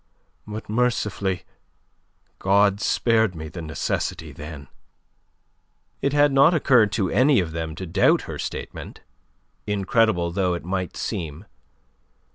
But mercifully God spared me the necessity then." It had not occurred to any of them to doubt her statement, incredible though it might seem.